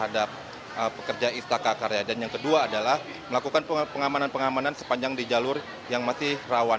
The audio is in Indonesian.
dan yang kedua adalah melakukan pengamanan pengamanan sepanjang di jalur yang masih rawan